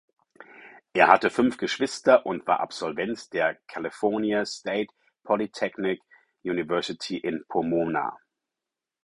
Er hatte fünf Geschwister und war Absolvent der California State Polytechnic University in Pomona.